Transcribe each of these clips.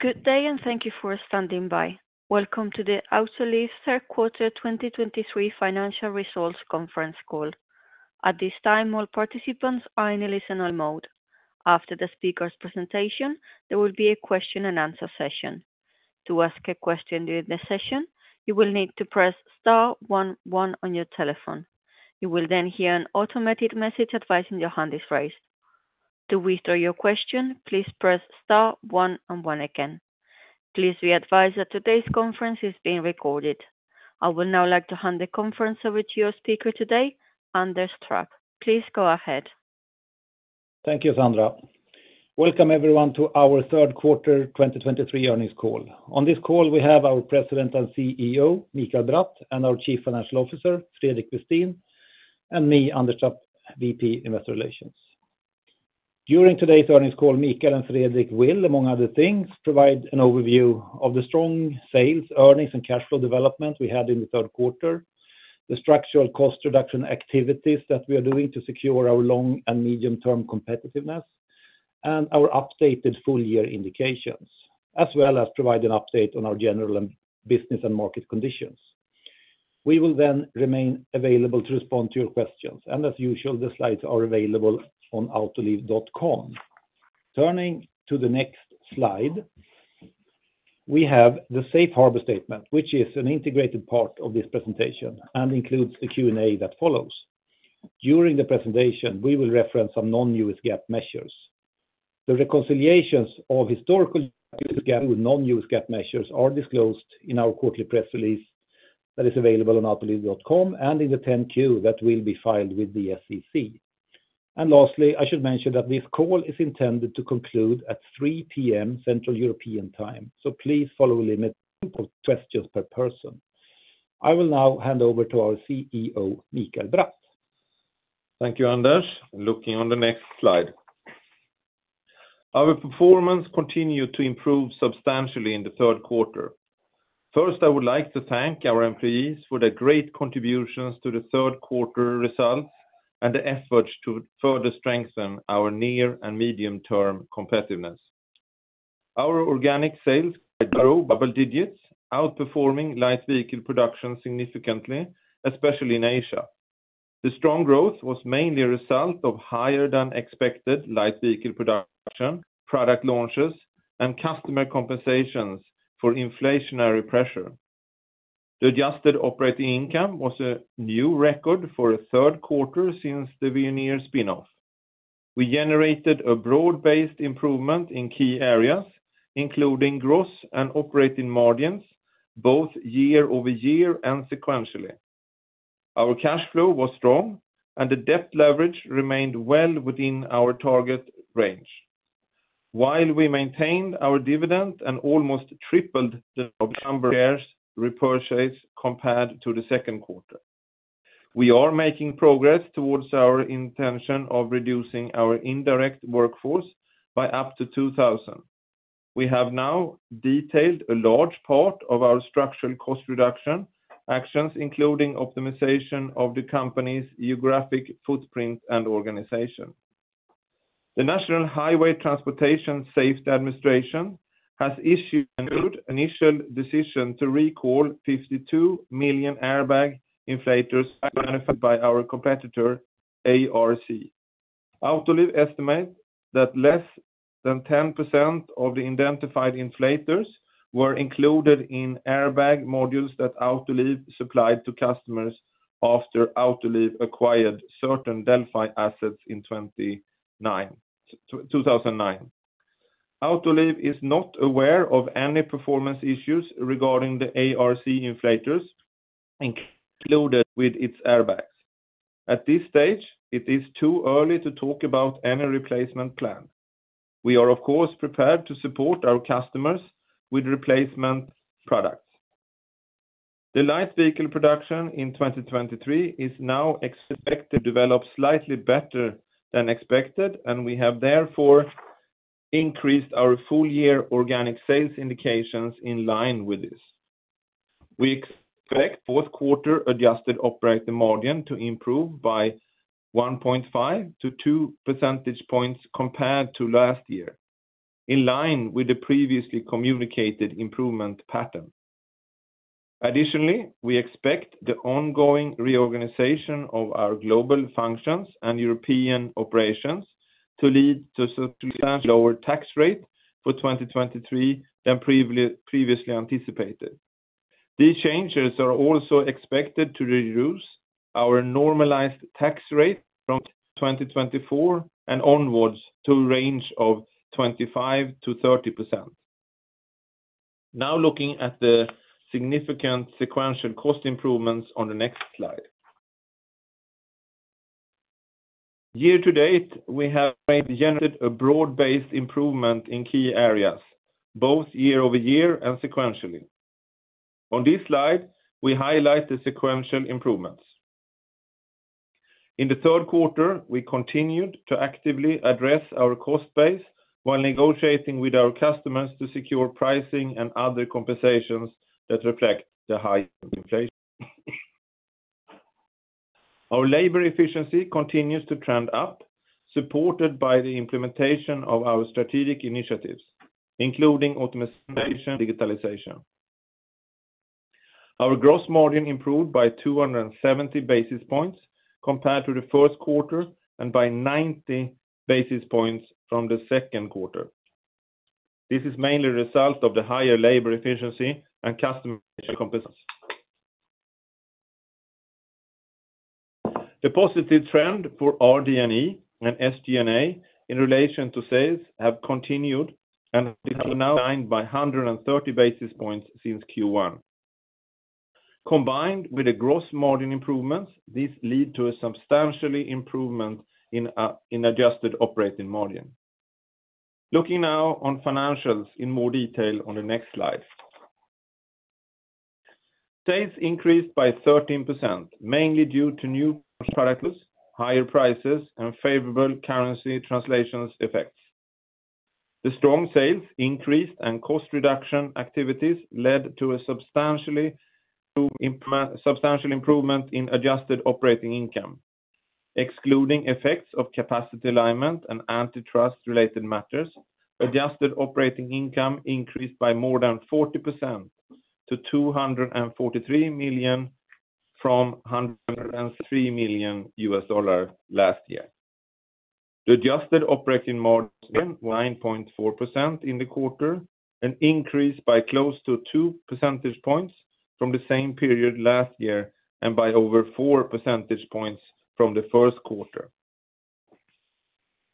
Good day, and thank you for standing by. Welcome to the Autoliv Third Quarter 2023 Financial Results Conference Call. At this time, all participants are in a listen-only mode. After the speaker's presentation, there will be a question-and-answer session. To ask a question during the session, you will need to press star one one on your telephone. You will then hear an automated message advising your hand is raised. To withdraw your question, please press star one and one again. Please be advised that today's conference is being recorded. I would now like to hand the conference over to your speaker today, Anders Trapp. Please go ahead. Thank you, Sandra. Welcome everyone to our third quarter 2023 earnings call. On this call, we have our President and CEO, Mikael Bratt, and our Chief Financial Officer, Fredrik Westin, and me, Anders Trapp, VP, Investor Relations. During today's earnings call, Mikael and Fredrik will, among other things, provide an overview of the strong sales, earnings, and cash flow development we had in the third quarter, the structural cost reduction activities that we are doing to secure our long- and medium-term competitiveness, and our updated full-year indications, as well as provide an update on our general business and market conditions. We will then remain available to respond to your questions, and as usual, the slides are available on autoliv.com. Turning to the next slide, we have the safe harbor statement, which is an integrated part of this presentation and includes the Q&A that follows. During the presentation, we will reference some non-U.S. GAAP measures. The reconciliations of historical GAAP with non-GAAP measures are disclosed in our quarterly press release that is available on autoliv.com and in the 10-Q that will be filed with the SEC. Lastly, I should mention that this call is intended to conclude at 3:00 P.M. Central European Time, so please follow a limit of questions per person. I will now hand over to our CEO, Mikael Bratt. Thank you, Anders. Looking on the next slide. Our performance continued to improve substantially in the third quarter. First, I would like to thank our employees for their great contributions to the third quarter results and the efforts to further strengthen our near and medium-term competitiveness. Our Organic Sales grew double digits, outperforming Light Vehicle Production significantly, especially in Asia. The strong growth was mainly a result of higher-than-expected Light Vehicle Production, product launches, and customer compensations for inflationary pressure. The adjusted operating income was a new record for a third quarter since the Veoneer spin-off. We generated a broad-based improvement in key areas, including gross and Operating Margins, both year-over-year and sequentially. Our Cash Flow was strong, and the debt leverage remained well within our target range. While we maintained our dividend and almost tripled the number of shares repurchased compared to the second quarter, we are making progress towards our intention of reducing our indirect workforce by up to 2,000. We have now detailed a large part of our structural cost reduction actions, including optimization of the company's geographic footprint and organization. The National Highway Transportation Safety Administration has issued an initial decision to recall 52 million airbag inflators manufactured by our competitor, ARC. Autoliv estimates that less than 10% of the identified inflators were included in airbag modules that Autoliv supplied to customers after Autoliv acquired certain Delphi assets in 2009. Autoliv is not aware of any performance issues regarding the ARC inflators included with its airbags. At this stage, it is too early to talk about any replacement plan. We are, of course, prepared to support our customers with replacement products. The light vehicle production in 2023 is now expected to develop slightly better than expected, and we have therefore increased our full-year Organic Sales indications in line with this. We expect fourth quarter Adjusted Operating Margin to improve by 1.5-2 percentage points compared to last year, in line with the previously communicated improvement pattern. Additionally, we expect the ongoing reorganization of our global functions and European operations to lead to substantially lower tax rate for 2023 than previously anticipated. These changes are also expected to reduce our normalized tax rate from 2024 and onwards to a range of 25%-30%. Now, looking at the significant sequential cost improvements on the next slide. Year-to-date, we have generated a broad-based improvement in key areas, both year-over-year and sequentially. On this slide, we highlight the sequential improvements. In the third quarter, we continued to actively address our cost base while negotiating with our customers to secure pricing and other compensations that reflect the high inflation. Our labor efficiency continues to trend up, supported by the implementation of our strategic initiatives, including optimization, digitalization. Our gross margin improved by 270 basis points compared to the first quarter, and by 90 basis points from the second quarter. This is mainly a result of the higher labor efficiency and customer compensation. The positive trend for RD&E and SG&A in relation to sales have continued, and have now improved by 130 basis points since Q1. Combined with a gross margin improvements, this led to a substantially improvement in Adjusted Operating Margin. Looking now on financials in more detail on the next slide. Sales increased by 13%, mainly due to new products, higher prices, and favorable currency translations effects. The strong sales increased, and cost reduction activities led to a substantial improvement in adjusted operating income. Excluding effects of capacity alignment and antitrust-related matters, adjusted operating income increased by more than 40% to $243 million from $103 million last year. The Adjusted Operating Margin, 9.4% in the quarter, an increase by close to 2 percentage points from the same period last year, and by over 4 percentage points from the first quarter.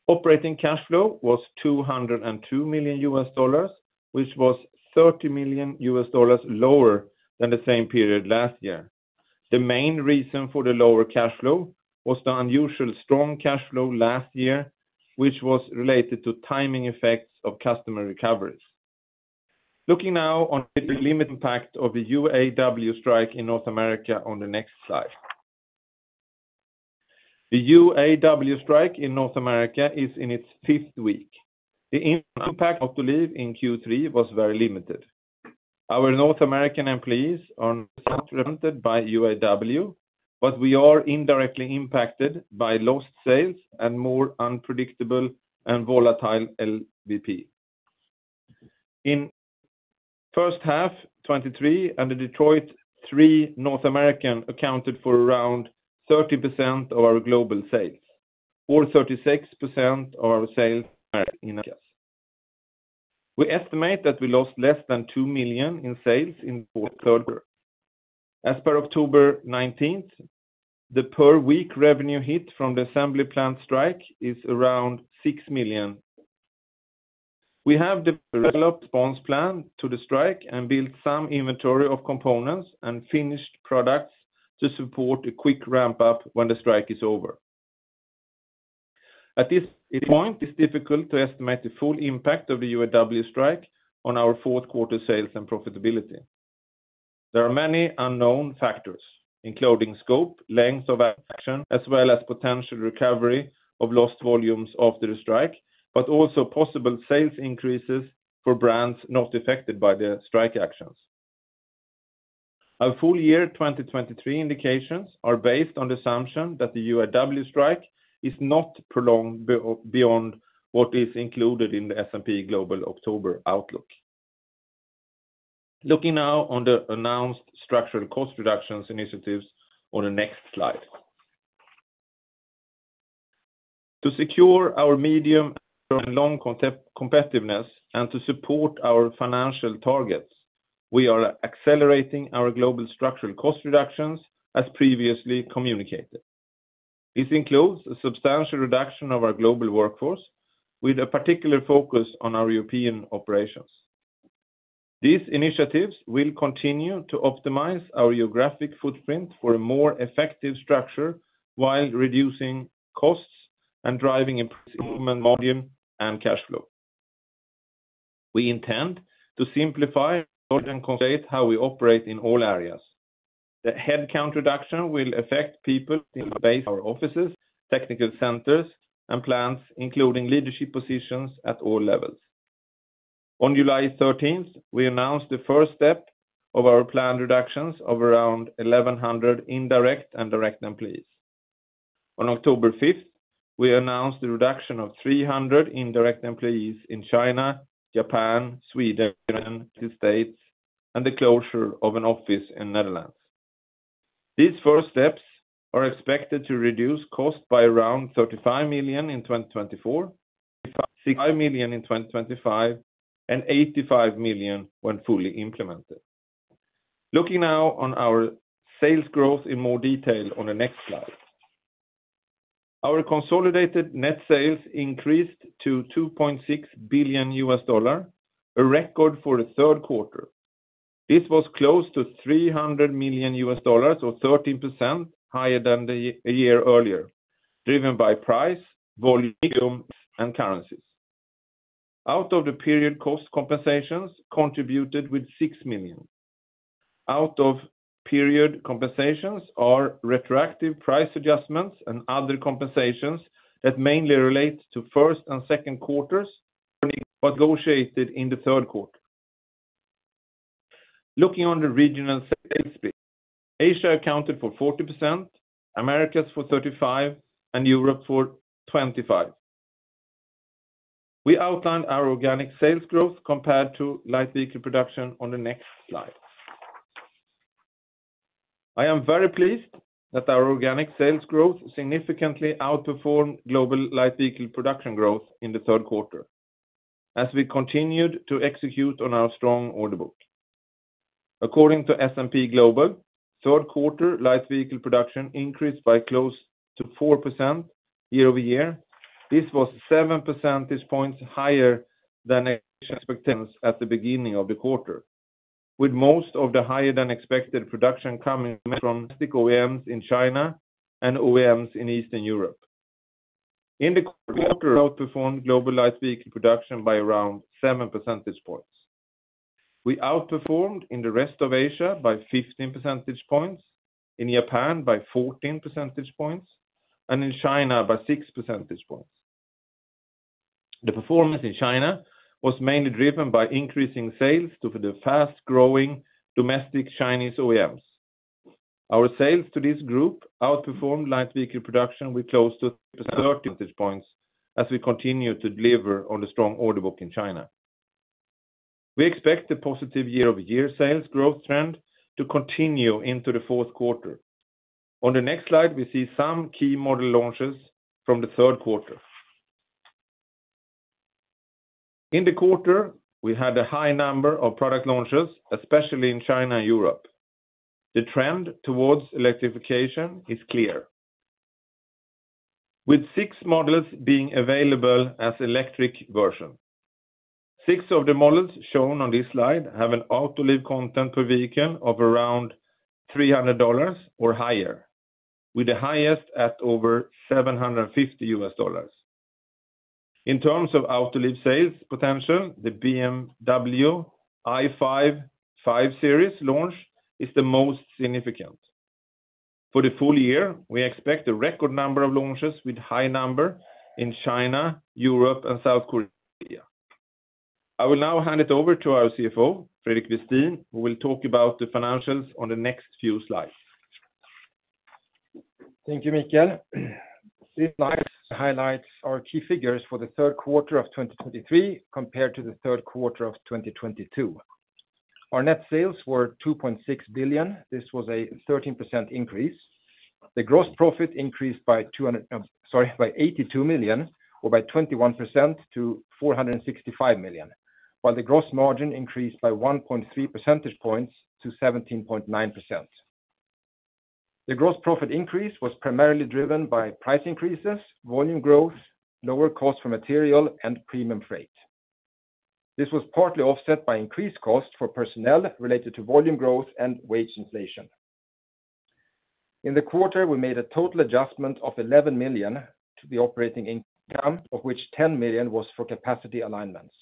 Operating cash flow was $202 million, which was $30 million lower than the same period last year. The main reason for the lower cash flow was the unusual strong cash flow last year, which was related to timing effects of customer recoveries. Looking now on the limited impact of the UAW strike in North America on the next slide. The UAW strike in North America is in its fifth week. The impact on Autoliv in Q3 was very limited. Our North American employees are represented by UAW, but we are indirectly impacted by lost sales and more unpredictable and volatile LVP. In first half 2023, and the Detroit Three, North America accounted for around 30% of our global sales, or 36% of our sales in Americas. We estimate that we lost less than $2 million in sales in the third quarter. As per October 19th, the per week revenue hit from the assembly plant strike is around $6 million. We have developed response plan to the strike and built some inventory of components and finished products to support a quick ramp-up when the strike is over. At this point, it's difficult to estimate the full impact of the UAW strike on our fourth quarter sales and profitability. There are many unknown factors, including scope, length of action, as well as potential recovery of lost volumes after the strike, but also possible sales increases for brands not affected by the strike actions. Our full year 2023 indications are based on the assumption that the UAW strike is not prolonged beyond what is included in the S&P Global October outlook. Looking now on the announced structural cost reductions initiatives on the next slide. To secure our medium and long competitiveness and to support our financial targets, we are accelerating our global structural cost reductions, as previously communicated. This includes a substantial reduction of our global workforce, with a particular focus on our European operations. These initiatives will continue to optimize our geographic footprint for a more effective structure while reducing costs and driving improvement, volume, and cash flow. We intend to simplify and consolidate how we operate in all areas. The headcount reduction will affect people in our offices, technical centers, and plants, including leadership positions at all levels. On July 13th, we announced the first step of our planned reductions of around 1,100 indirect and direct employees. On October fifth, we announced the reduction of 300 indirect employees in China, Japan, Sweden, United States, and the closure of an office in Netherlands. These first steps are expected to reduce costs by around $35 million in 2024, $65 million in 2025, and $85 million when fully implemented. Looking now on our sales growth in more detail on the next slide. Our consolidated net sales increased to $2.6 billion, a record for the third quarter. This was close to $300 million, or 13% higher than a year earlier, driven by price, volume, and currencies. Out of the period, cost compensations contributed with $6 million. Out of period compensations are retroactive price adjustments and other compensations that mainly relate to first and second quarters, negotiated in the third quarter. Looking on the regional sales split, Asia accounted for 40%, Americas for 35, and Europe for 25. We outlined our Organic Sales growth compared to light vehicle production on the next slide. I am very pleased that our Organic Sales growth significantly outperformed global light vehicle production growth in the third quarter, as we continued to execute on our strong order book. According to S&P Global, third quarter light vehicle production increased by close to 4% year-over-year. This was 7 percentage points higher than expectations at the beginning of the quarter, with most of the higher-than-expected production coming from domestic OEMs in China and OEMs in Eastern Europe. In the quarter, we outperformed global light vehicle production by around 7 percentage points. We outperformed in the rest of Asia by 15 percentage points, in Japan by 14 percentage points, and in China by 6 percentage points. The performance in China was mainly driven by increasing sales to the fast-growing domestic Chinese OEMs. Our sales to this group outperformed light vehicle production with close to 30 percentage points, as we continue to deliver on the strong order book in China. We expect the positive year-over-year sales growth trend to continue into the fourth quarter. On the next slide, we see some key model launches from the third quarter. In the quarter, we had a high number of product launches, especially in China and Europe. The trend towards electrification is clear, with six models being available as electric version. Six of the models shown on this slide have an Autoliv content per vehicle of around $300 or higher, with the highest at over $750. In terms of Autoliv sales potential, the BMW i5 5 Series launch is the most significant. For the full year, we expect a record number of launches with high number in China, Europe, and South Korea. I will now hand it over to our CFO, Fredrik Westin, who will talk about the financials on the next few slides. Thank you, Mikael. This slide highlights our key figures for the third quarter of 2023 compared to the third quarter of 2022. Our net sales were $2.6 billion. This was a 13% increase. The gross profit increased by $200, sorry, by $82 million, or by 21% to $465 million, while the gross margin increased by 1.3 percentage points to 17.9%. The gross profit increase was primarily driven by price increases, volume growth, lower cost for material, and premium freight. This was partly offset by increased cost for personnel related to volume growth and wage inflation. In the quarter, we made a total adjustment of $11 million to the operating income, of which $10 million was for capacity alignments.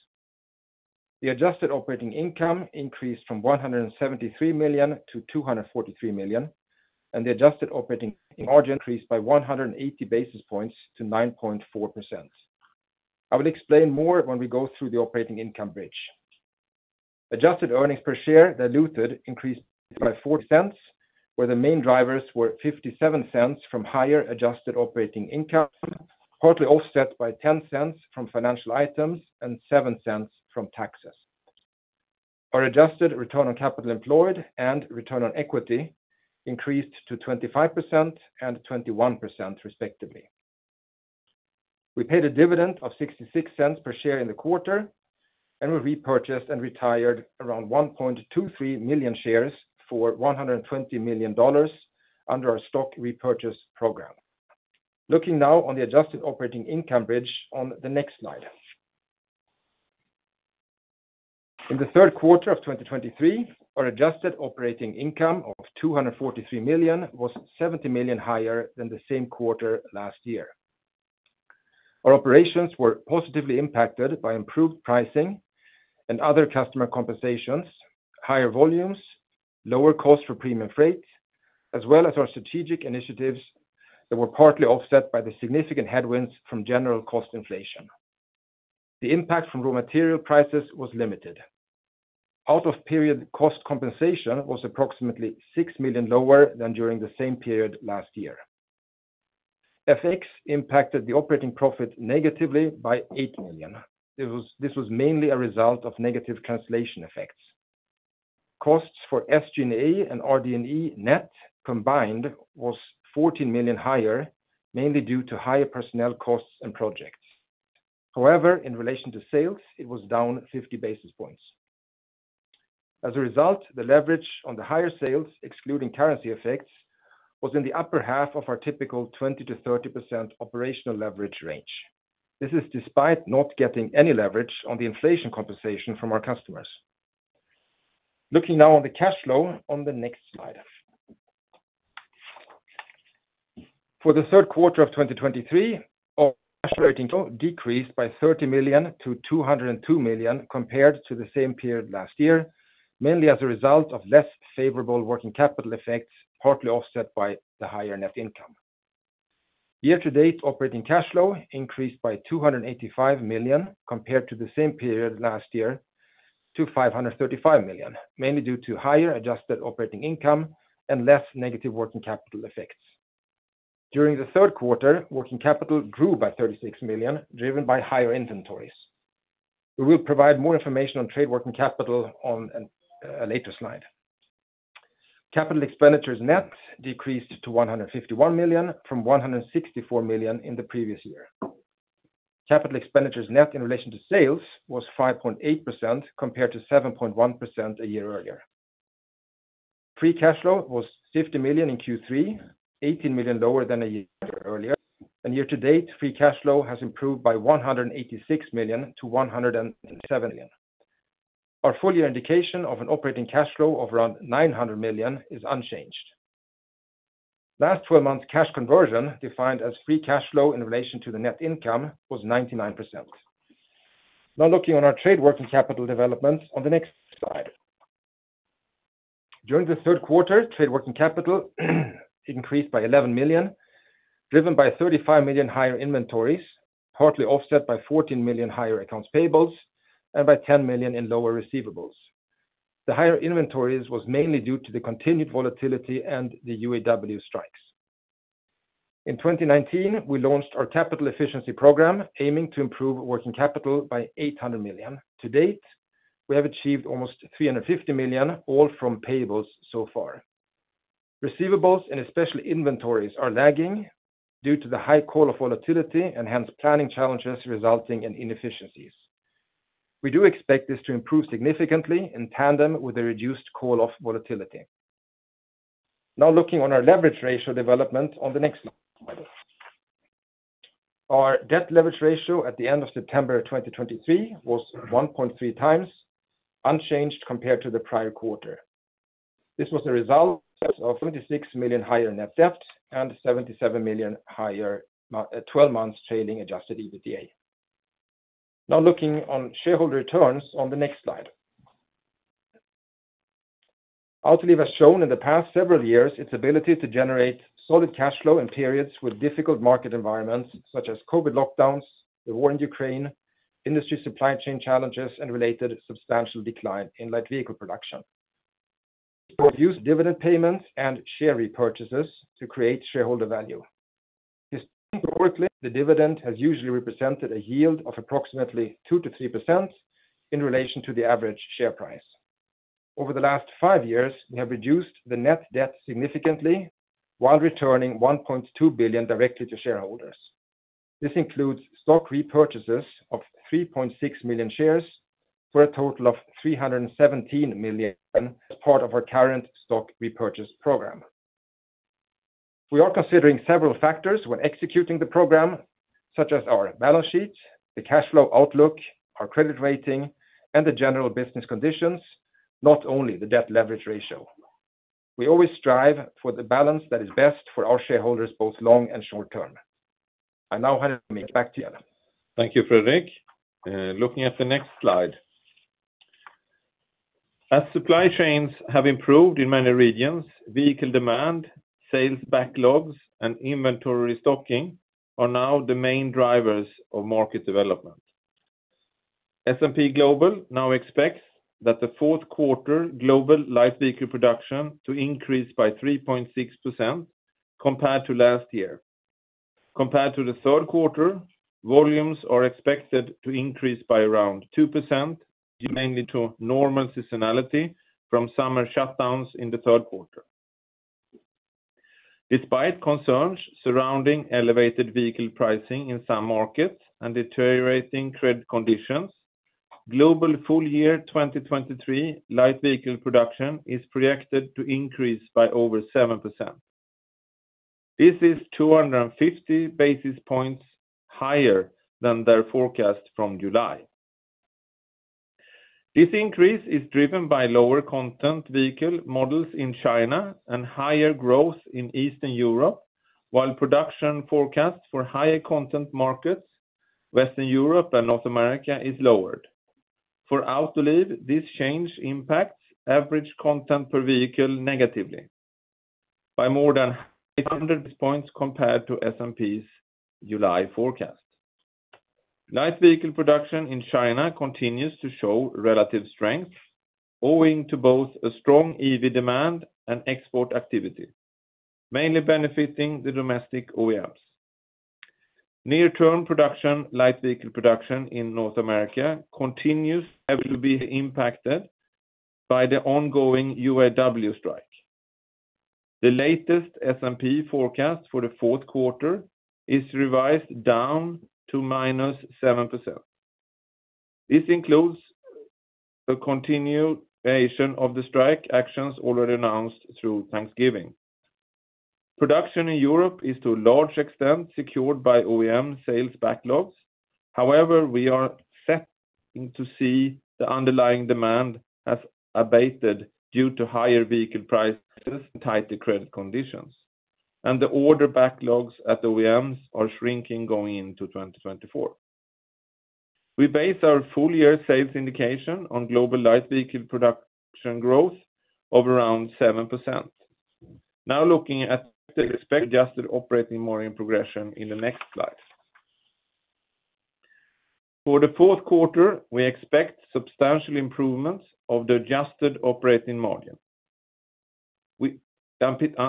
The adjusted operating income increased from $173 million to $243 million, and the Adjusted Operating Margin increased by 180 basis points to 9.4%. I will explain more when we go through the Operating Income bridge. Adjusted Earnings Per Share diluted increased by $0.40, where the main drivers were $0.57 from higher adjusted operating income, partly offset by $0.10 from financial items and $0.07 from taxes. Our Adjusted Return on Capital Employed and Return on Equity increased to 25% and 21%, respectively. We paid a dividend of $0.66 per share in the quarter, and we repurchased and retired around 1.23 million shares for $120 million under our stock repurchase program. Looking now on the adjusted operating income bridge on the next slide. In the third quarter of 2023, our adjusted operating income of $243 million was $70 million higher than the same quarter last year. Our operations were positively impacted by improved pricing and other customer compensations, higher volumes, lower cost for premium freight, as well as our strategic initiatives that were partly offset by the significant headwinds from general cost inflation. The impact from raw material prices was limited. Out of period, cost compensation was approximately $6 million lower than during the same period last year. FX impacted the operating profit negatively by $8 million. This was mainly a result of negative translation effects. Costs for SG&A and RD&E net combined was $14 million higher, mainly due to higher personnel costs and projects. However, in relation to sales, it was down 50 basis points. As a result, the leverage on the higher sales, excluding currency effects, was in the upper half of our typical 20%-30% operational leverage range. This is despite not getting any leverage on the inflation compensation from our customers. Looking now on the cash flow on the next slide. For the third quarter of 2023, our cash rating decreased by $30 million to $202 million compared to the same period last year, mainly as a result of less favorable working capital effects, partly offset by the higher net income. Year-to-date operating cash flow increased by $285 million, compared to the same period last year, to $535 million, mainly due to higher adjusted operating income and less negative working capital effects. During the third quarter, working capital grew by $36 million, driven by higher inventories. We will provide more information on Trade Working Capital on a later slide. Capital expenditures net decreased to $151 million from $164 million in the previous year. Capital expenditures net in relation to sales was 5.8%, compared to 7.1% a year earlier. Free Cash Flow was $50 million in Q3, $18 million lower than a year earlier, and year-to-date, Free Cash Flow has improved by $186 million to $170 million. Our full-year indication of an operating cash flow of around $900 million is unchanged. Last 12 months, cash conversion, defined as Free Cash Flow in relation to the net income, was 99%. Now looking on our Trade Working Capital development on the next slide. During the third quarter, trade working capital increased by $11 million, driven by $35 million higher inventories, partly offset by $14 million higher accounts payables and by $10 million in lower receivables. The higher inventories was mainly due to the continued volatility and the UAW strikes. In 2019, we launched our capital efficiency program, aiming to improve working capital by $800 million. To date, we have achieved almost $350 million, all from payables so far. Receivables, and especially inventories, are lagging due to the high call-off volatility and hence, planning challenges resulting in inefficiencies. We do expect this to improve significantly in tandem with a reduced call-off volatility. Now looking on our leverage ratio development on the next slide. Our debt leverage ratio at the end of September 2023 was 1.3x, unchanged compared to the prior quarter. This was a result of $26 million higher net debt and $77 million higher 12 months trailing Adjusted EBITDA. Now looking on shareholder returns on the next slide. Autoliv has shown in the past several years its ability to generate solid cash flow in periods with difficult market environments, such as COVID lockdowns, the war in Ukraine, industry supply chain challenges, and related substantial decline in light vehicle production. We've used dividend payments and share repurchases to create shareholder value. Historically, the dividend has usually represented a yield of approximately 2%-3% in relation to the average share price. Over the last five years, we have reduced the net debt significantly, while returning $1.2 billion directly to shareholders. This includes stock repurchases of 3.6 million shares for a total of $317 million as part of our current stock repurchase program. We are considering several factors when executing the program, such as our balance sheet, the cash flow outlook, our credit rating, and the general business conditions, not only the debt leverage ratio. We always strive for the balance that is best for our shareholders, both long and short term. I now hand it back to Mikael. Thank you, Fredrik. Looking at the next slide. As supply chains have improved in many regions, vehicle demand, sales backlogs, and inventory restocking are now the main drivers of market development. S&P Global now expects that the fourth quarter global light vehicle production to increase by 3.6% compared to last year. Compared to the third quarter, volumes are expected to increase by around 2%, mainly to normal seasonality from summer shutdowns in the third quarter. Despite concerns surrounding elevated vehicle pricing in some markets and deteriorating credit conditions, global full year 2023 light vehicle production is projected to increase by over 7%. This is 250 basis points higher than their forecast from July. This increase is driven by lower content vehicle models in China and higher growth in Eastern Europe, while production forecasts for higher content markets, Western Europe and North America, is lowered. For Autoliv, this change impacts average content per vehicle negatively by more than 800 points compared to S&P's July forecast. Light vehicle production in China continues to show relative strength, owing to both a strong EV demand and export activity, mainly benefiting the domestic OEMs. Near-term production, light vehicle production in North America continues to be impacted by the ongoing UAW strike. The latest S&P forecast for the fourth quarter is revised down to -7%. This includes the continuation of the strike actions already announced through Thanksgiving. Production in Europe is, to a large extent, secured by OEM sales backlogs. However, we are set to see the underlying demand has abated due to higher vehicle prices and tighter credit conditions, and the order backlogs at OEMs are shrinking going into 2024. We base our full-year sales indication on global light vehicle production growth of around 7%. Now looking at the expected Adjusted Operating Margin progression in the next slide. For the fourth quarter, we expect substantial improvements of the Adjusted Operating Margin.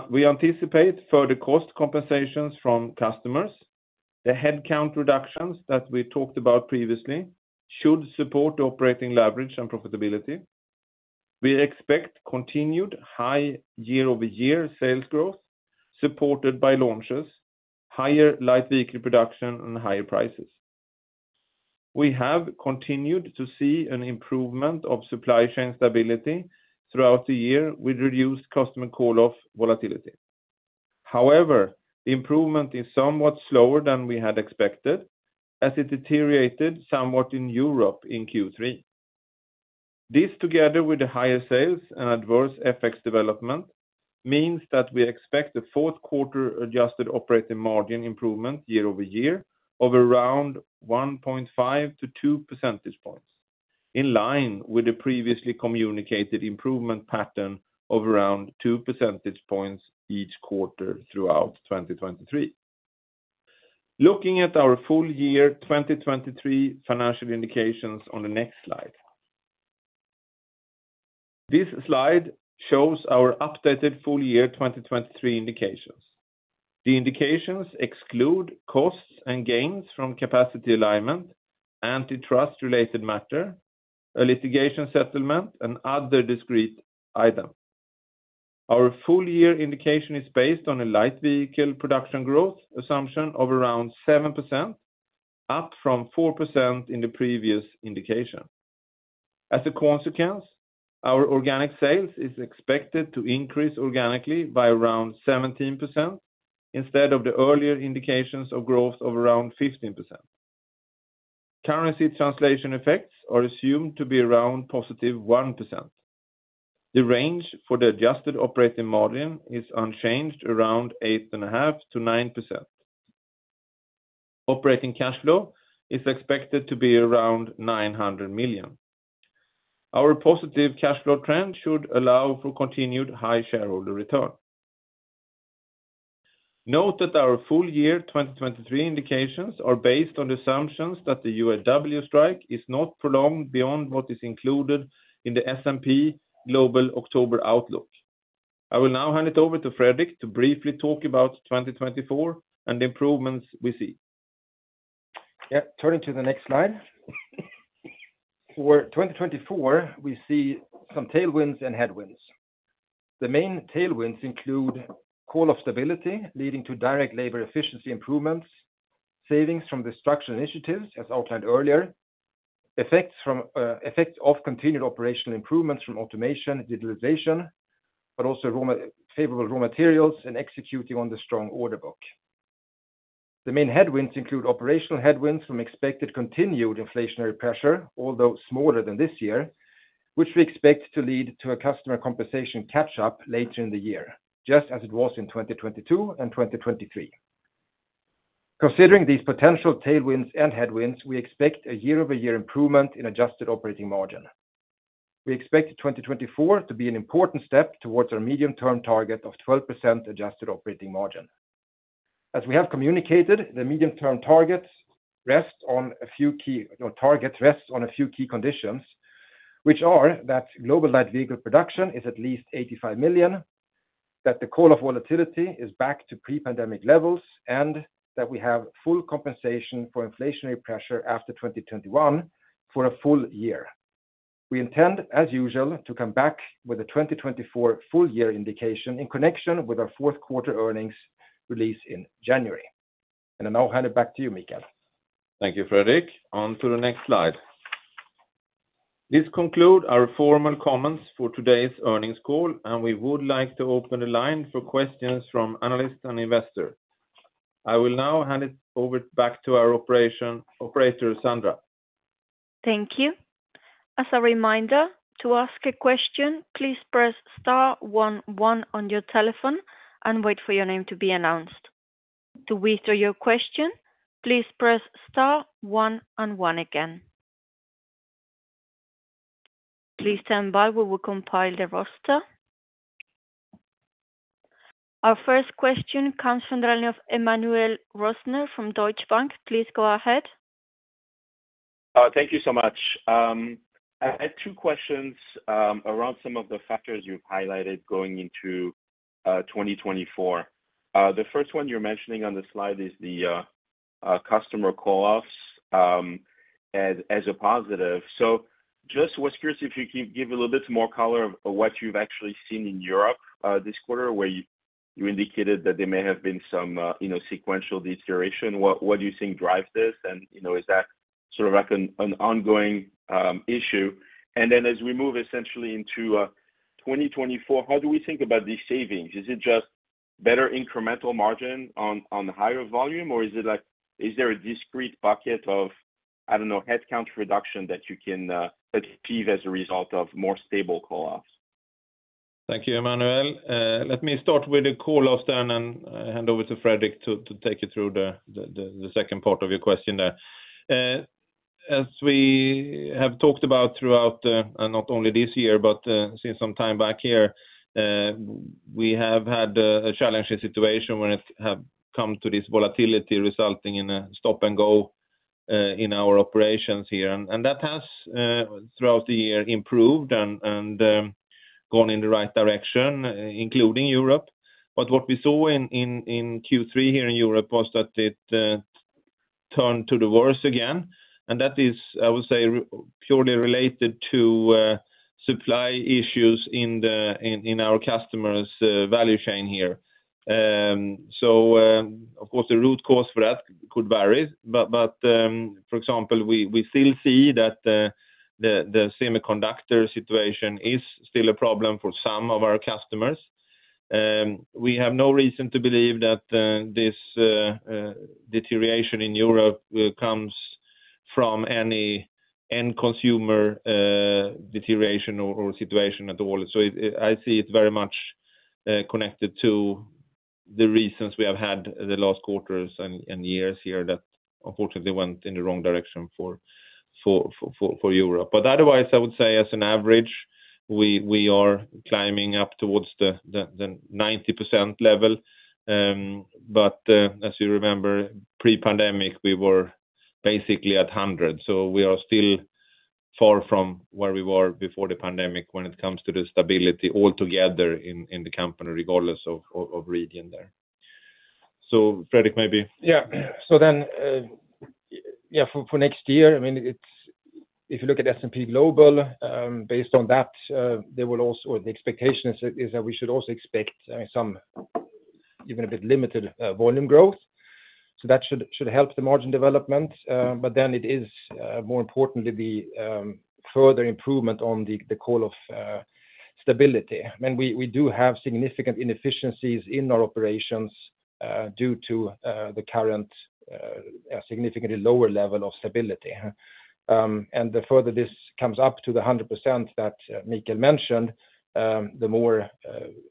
We anticipate further cost compensations from customers. The headcount reductions that we talked about previously should support operating leverage and profitability. We expect continued high year-over-year sales growth, supported by launches, higher light vehicle production and higher prices. We have continued to see an improvement of supply chain stability throughout the year, with reduced customer call-off volatility. However, improvement is somewhat slower than we had expected. As it deteriorated somewhat in Europe in Q3. This together with the higher sales adverse FX development means that we expect the fourth quarter Adjusted Operating Margin improvement year-over-year of around 1.5-2 percentage points. In line with the previously communicated improvement pattern of around 2 percentage points each quarter throughout 2023. Looking at our full year 2023 financial indications on the next slide. This slide shows our updated full year 2023 indications, the indications exclude costs and gains from capacity alignment and antitrust-related matters, litigation settlement, and other discrete items. Our full year indication is based on the light vehicle production growth assumption of around 7% up from 4% in the previous indication. As a consequence, our Organic Sales is expected to increase organically by around 17%, instead of the earlier indications of growth of around 15%. Currency translation effects are assumed to be around +1%. The range for the Adjusted Operating Margin is unchanged, around 8.5%-9%. Operating cash flow is expected to be around $900 million. Our positive cash flow trend should allow for continued high shareholder return. Note that our full year 2023 indications are based on the assumptions that the UAW strike is not prolonged beyond what is included in the S&P Global October outlook. I will now hand it over to Fredrik to briefly talk about 2024 and the improvements we see. Yeah, turning to the next slide. For 2024, we see some tailwinds and headwinds. The main tailwinds include call-off stability, leading to direct labor efficiency improvements, savings from the structural initiatives, as outlined earlier, effect of continued operational improvements from automation, digitalization, but also favorable raw materials and executing on the strong order book. The main headwinds include operational headwinds from expected continued inflationary pressure, although smaller than this year, which we expect to lead to a customer compensation catch-up later in the year, just as it was in 2022 and 2023. Considering these potential tailwinds and headwinds, we expect a year-over-year improvement in Adjusted Operating Margin. We expect 2024 to be an important step towards our medium-term target of 12% Adjusted Operating Margin. As we have communicated, the medium-term targets rests on a few key, or target rests on a few key conditions, which are that global light vehicle production is at least 85 million, that the call-off volatility is back to pre-pandemic levels, and that we have full compensation for inflationary pressure after 2021 for a full year. We intend, as usual, to come back with a 2024 full year indication in connection with our fourth quarter earnings release in January. I now hand it back to you, Mikael. Thank you, Fredrik. On to the next slide. This conclude our formal comments for today's earnings call, and we would like to open the line for questions from analysts and investors. I will now hand it over back to our operator, Sandra. Thank you. As a reminder, to ask a question, please press star one one on your telephone and wait for your name to be announced. To withdraw your question, please press star one and one again. Please stand by while we compile the roster. Our first question comes from Emmanuel Rosner from Deutsche Bank. Please go ahead. Thank you so much. I had two questions around some of the factors you've highlighted going into 2024. The first one you're mentioning on the slide is the customer call-offs as a positive. Just was curious if you can give a little bit more color of what you've actually seen in Europe this quarter, where you indicated that there may have been some, you know, sequential deterioration. What do you think drives this? You know, is that sort of like an ongoing issue? As we move essentially into 2024, how do we think about these savings? Is it just better incremental margin on higher volume, or is it like, is there a discrete bucket of, I don't know, headcount reduction that you can achieve as a result of more stable call-offs? Thank you, Emmanuel. Let me start with the call-off then, and hand over to Fredrik to take you through the second part of your question there. As we have talked about throughout not only this year but since some time back here, we have had a challenging situation when it have come to this volatility resulting in a stop-and-go in our operations here. That has throughout the year improved and gone in the right direction, including Europe. What we saw in Q3 here in Europe was that it turned to the worse again, and that is, I would say, purely related to supply issues in our customers' value chain here. Of course, the root cause for that could vary, but for example, we still see that the semiconductor situation is still a problem for some of our customers. We have no reason to believe that this deterioration in Europe comes from any end consumer deterioration or situation at all. I see it very much connected to the reasons we have had the last quarters and years here that unfortunately went in the wrong direction for Europe. Otherwise, I would say as an average, we are climbing up towards the 90% level. As you remember, pre-pandemic, we were basically at 100. We are still far from where we were before the pandemic when it comes to the stability altogether in the company, regardless of region there. Fredrik, maybe? Yeah. For next year, I mean, if you look at S&P Global, based on that, the expectation is that we should also expect, I mean, some even a bit limited volume growth, so that should help the margin development. But it is, more importantly, the further improvement on the level of stability. I mean, we do have significant inefficiencies in our operations due to the current significantly lower level of stability, huh? The further this comes up to the 100% that Mikael mentioned, the more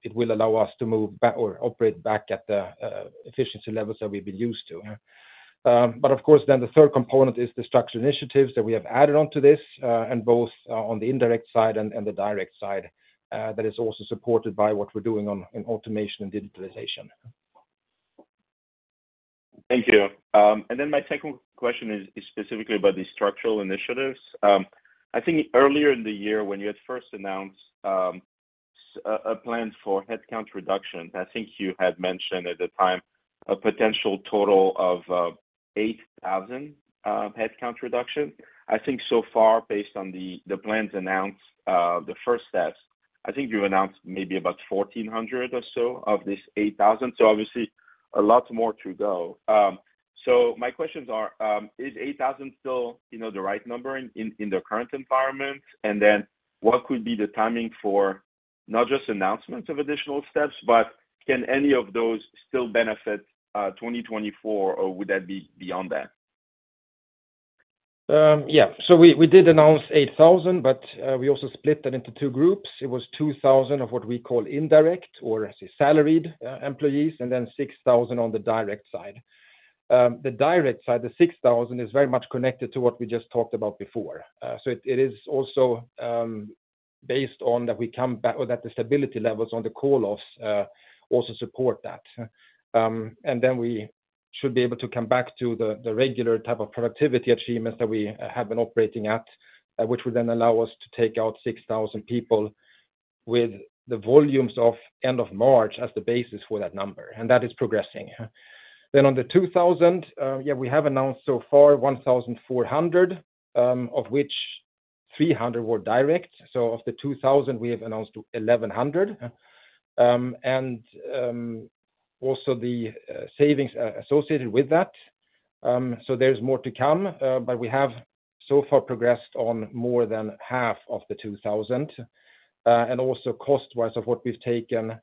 it will allow us to move back or operate back at the efficiency levels that we've been used to, huh? Of course, then the third component is the structural initiatives that we have added on to this, and both on the indirect side and the direct side, that is also supported by what we're doing in automation and digitalization. Thank you. My second question is specifically about the structural initiatives. I think earlier in the year when you had first announced a plan for headcount reduction, I think you had mentioned at the time a potential total of 8,000 headcount reduction. I think so far, based on the plans announced, the first steps, I think you announced maybe about 1,400 or so of this 8,000, so obviously a lot more to go. My questions are, is 8,000 still, you know, the right number in the current environment? What could be the timing for not just announcements of additional steps, but can any of those still benefit 2024, or would that be beyond that? Yeah. We did announce 8,000, but we also split that into two groups. It was 2,000 of what we call indirect, or I say, salaried employees, and then 6,000 on the direct side. The direct side, the 6,000, is very much connected to what we just talked about before. It is also based on that we come back, or that the stability levels on the call-offs also support that, huh? Then we should be able to come back to the regular type of productivity achievements that we have been operating at, which would then allow us to take out 6,000 people with the volumes of end of March as the basis for that number, and that is progressing, huh? On the 2,000, yeah, we have announced so far 1,400, of which 300 were direct. Of the 2,000, we have announced to 1,100, and also the savings associated with that. There's more to come, but we have so far progressed on more than half of the 2,000. Also cost-wise of what we've taken,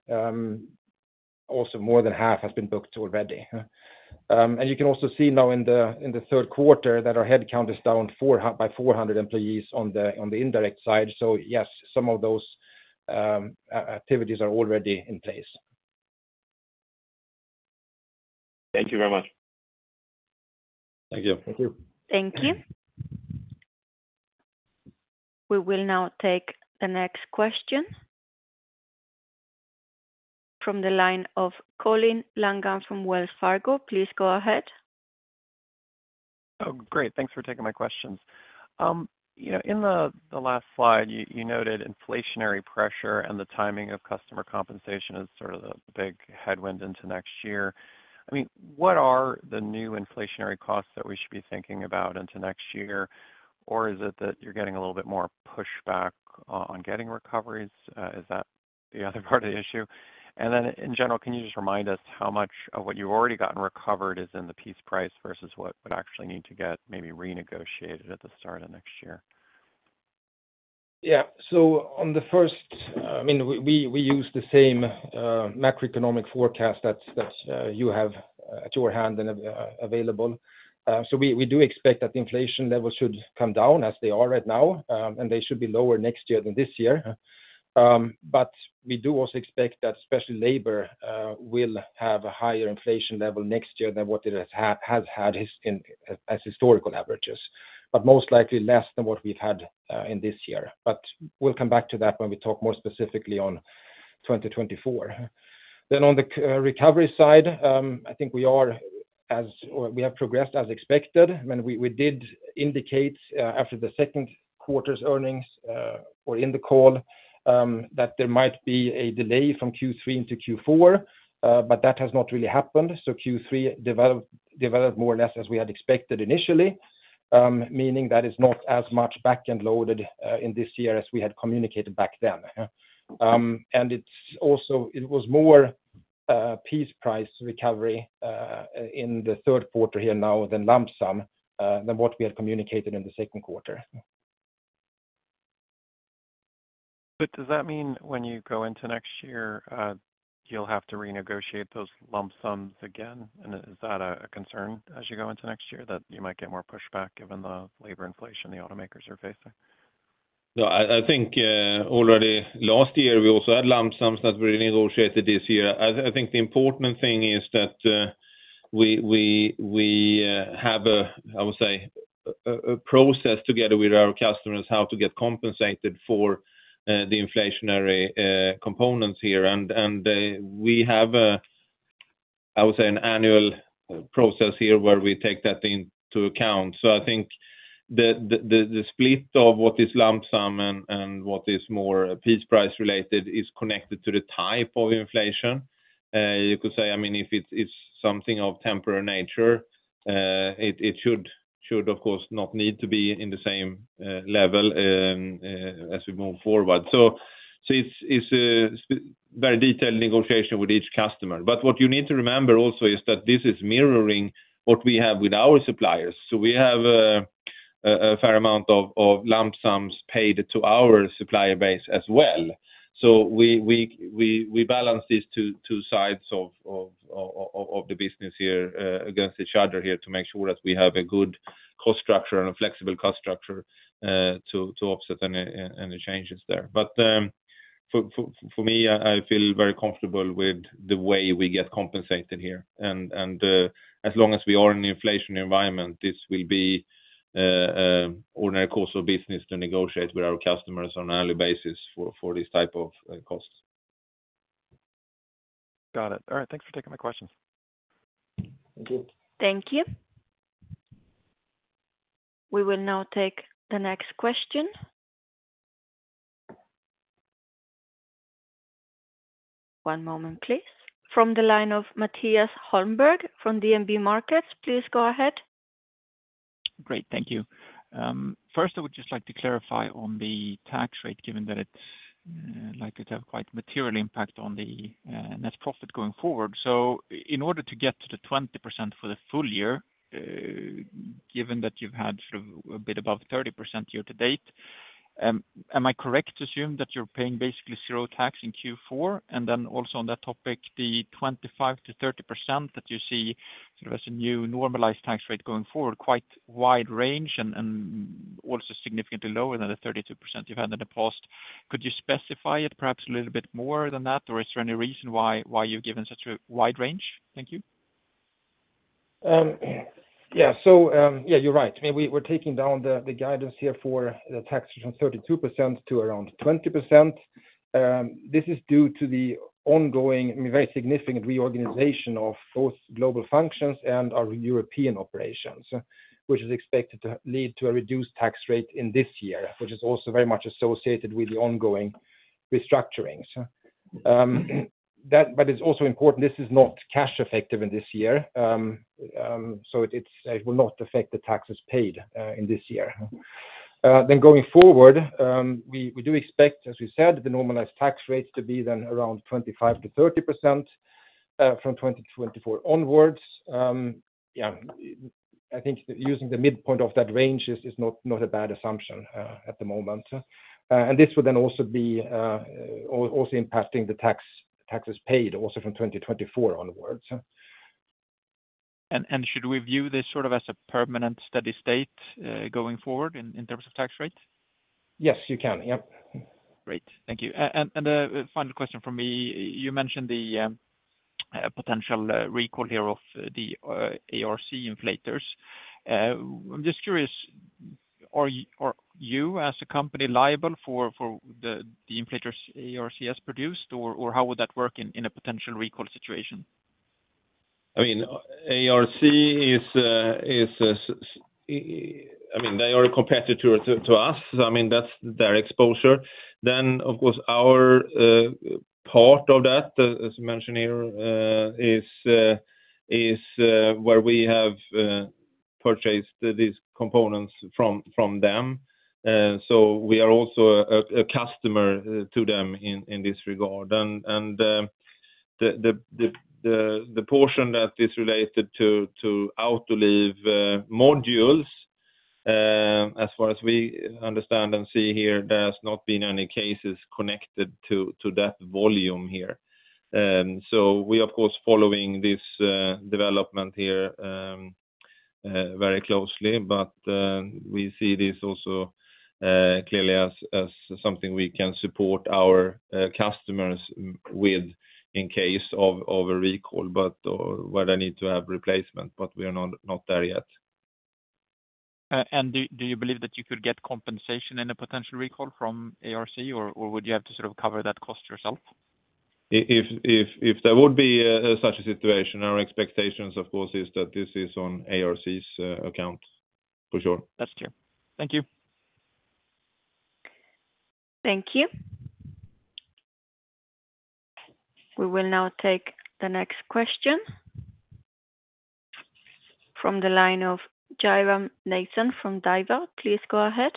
also more than half has been booked already, huh? You can also see now in the third quarter that our headcount is down by 400 employees on the indirect side. Yes, some of those activities are already in place. Thank you very much. Thank you. Thank you. Thank you. We will now take the next question from the line of Colin Langan from Wells Fargo. Please go ahead. Oh, great. Thanks for taking my questions. You know, in the last slide, you noted inflationary pressure and the timing of customer compensation as sort of the big headwind into next year. I mean, what are the new inflationary costs that we should be thinking about into next year? Is it that you're getting a little bit more pushback on getting recoveries? Is that the other part of the issue? In general, can you just remind us how much of what you've already gotten recovered is in the piece price versus what would actually need to get maybe renegotiated at the start of next year? Yeah, so on the first, I mean, we use the same macroeconomic forecast that you have at your hand and available. So we do expect that the inflation level should come down as they are right now, and they should be lower next year than this year. But we do also expect that especially labor will have a higher inflation level next year than what it has had in historical averages. But most likely less than what we've had in this year, but we'll come back to that when we talk more specifically on 2024. Then on the recovery side, I think we are as, or we have progressed as expected. When we did indicate after the second quarter's earnings or in the call that there might be a delay from Q3 into Q4, but that has not really happened. Q3 developed more or less as we had expected initially, meaning that it's not as much back-end loaded in this year as we had communicated back then. It was also more piece price recovery in the third quarter here now than lump sum than what we had communicated in the second quarter. Does that mean when you go into next year, you'll have to renegotiate those lump sums again? Is that a concern as you go into next year, that you might get more pushback given the labor inflation the automakers are facing? No, I think already last year we also had lump sums that we negotiated this year. I think the important thing is that we have a, I would say, a process together with our customers, how to get compensated for the inflationary components here. We have a, I would say, an annual process here where we take that into account. I think the split of what is lump sum and what is more piece price related is connected to the type of inflation. You could say, I mean, if it's something of temporary nature, it should, of course, not need to be in the same level as we move forward. It's a very detailed negotiation with each customer. What you need to remember also is that this is mirroring what we have with our suppliers. We have a fair amount of lump sums paid to our supplier base as well. We balance these two sides of the business here against each other here to make sure that we have a good cost structure and a flexible cost structure to offset any changes there. For me, I feel very comfortable with the way we get compensated here. As long as we are in an inflation environment, this will be ordinary course of business to negotiate with our customers on an annual basis for these type of costs. Got it. All right, thanks for taking my questions. Thank you. Thank you. We will now take the next question. One moment, please. From the line of Mattias Holmberg from DNB Markets, please go ahead. Great, thank you. First, I would just like to clarify on the tax rate, given that it's likely to have quite material impact on the net profit going forward. In order to get to the 20% for the full year, given that you've had sort of a bit above 30% year-to-date, am I correct to assume that you're paying basically zero tax in Q4? Also on that topic, the 25%-30% that you see sort of as a new normalized tax rate going forward, quite wide range and also significantly lower than the 32% you've had in the past. Could you specify it perhaps a little bit more than that, or is there any reason why you've given such a wide range? Thank you. Yeah, yeah, you're right. I mean, we're taking down the guidance here for the tax from 32% to around 20%. This is due to the ongoing, I mean, very significant reorganization of both global functions and our European operations, which is expected to lead to a reduced tax rate in this year, which is also very much associated with the ongoing restructurings. It's also important, this is not cash effective in this year. It will not affect the taxes paid in this year. Going forward, we do expect, as we said, the normalized tax rates to be then around 25%-30% from 2024 onwards. Yeah, I think using the midpoint of that range is not a bad assumption at the moment. This would then also be impacting the taxes paid also from 2024 onwards. Should we view this sort of as a permanent steady state going forward in terms of tax rate? Yes, you can. Yep. Great, thank you. Final question from me. You mentioned the potential recall here of the ARC inflators. I'm just curious, are you as a company liable for the inflators ARC has produced, or how would that work in a potential recall situation? I mean, ARC is, I mean, they are a competitor to us. I mean, that's their exposure. Then, of course, our part of that, as mentioned here, is where we have purchased these components from them. So we are also a customer to them in this regard. The portion that is related to Autoliv modules, as far as we understand and see here, there has not been any cases connected to that volume here. We, of course, following this development here very closely, but we see this also clearly as something we can support our customers with in case of a recall, but where they need to have replacement, but we are not there yet. Do you believe that you could get compensation in a potential recall from ARC, or would you have to sort of cover that cost yourself? If there would be such a situation, our expectations, of course, is that this is on ARC's account, for sure. That's clear. Thank you. Thank you. We will now take the next question from the line of Jairam Nathan from Daiwa. Please go ahead.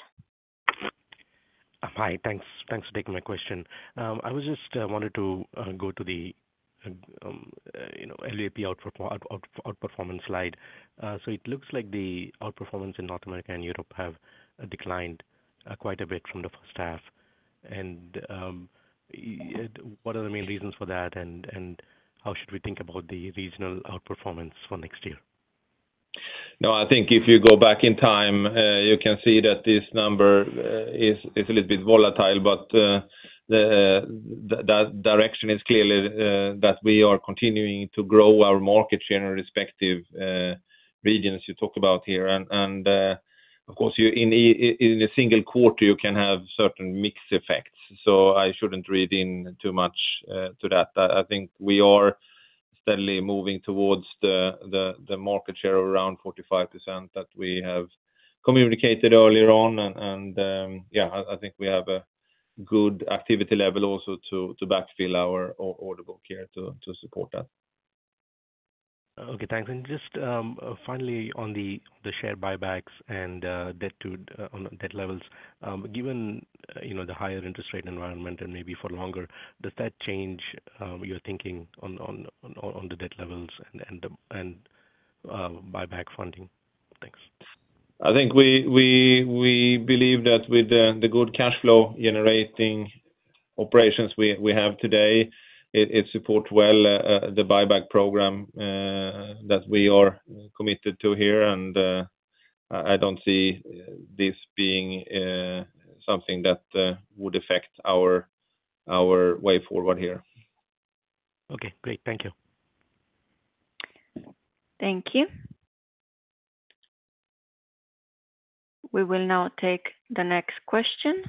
Hi, thanks. Thanks for taking my question. I just wanted to go to the, you know, LVP outperformance slide. It looks like the outperformance in North America and Europe have declined quite a bit from the start. What are the main reasons for that, and how should we think about the regional outperformance for next year? No, I think if you go back in time, you can see that this number is a little bit volatile, but that direction is clearly that we are continuing to grow our market share in respective regions you talk about here. Of course, in a single quarter, you can have certain mix effects, so I shouldn't read in too much to that. I think we are steadily moving towards the market share around 45% that we have communicated earlier on. Yeah, I think we have a good activity level also to backfill our order book here to support that. Okay, thanks. Finally, on the share buybacks and debt levels, given, you know, the higher interest rate environment, and maybe for longer, does that change your thinking on the debt levels and the buyback funding? Thanks. I think we believe that with the good cash flow generating operations we have today, it supports well the buyback program that we are committed to here. I don't see this being something that would affect our way forward here. Okay, great. Thank you. Thank you. We will now take the next question